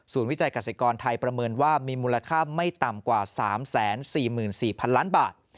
วิจัยกษิกรไทยประเมินว่ามีมูลค่าไม่ต่ำกว่า๓๔๔๐๐๐ล้านบาท